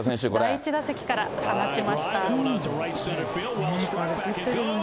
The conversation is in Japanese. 第１打席から放ちました。